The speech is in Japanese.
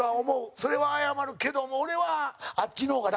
それは謝るけども俺は、あっちの方が楽。